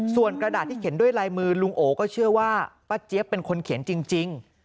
ส่วนกระดาษที่เขียนด้วยลายมือลุงโอก็เชื่อว่าป้าเจี๊ยบเป็นคนเขียนจริง